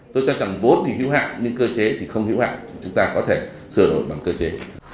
tôi cho rằng vốn thì hữu hạn nhưng cơ chế thì không hữu hạn chúng ta có thể sửa đổi bằng cơ chế